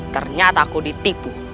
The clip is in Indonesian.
ternyata aku ditipu